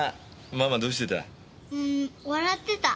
ママどうしてた？